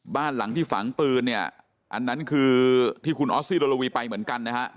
บ้านหลังที่ฝังปืนเนี่ยอันนั้นคือที่คุณออสซี่โดโลวีไปเหมือนกันนะฮะ